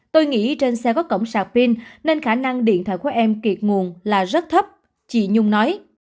tôi nghĩ trên xe có cổng sạc pin nên khả năng điện thoại của em kiệt nguồn là rất thấp chị nhung nói